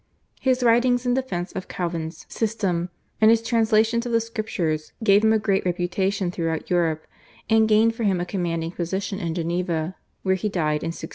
His writings in defence of Calvin's system and his translations of the Scriptures gave him a great reputation throughout Europe, and gained for him a commanding position in Geneva, where he died in 1605.